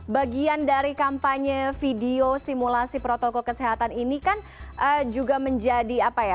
bagian dari kampanye video simulasi protokol kesehatan ini kan juga menjadi apa ya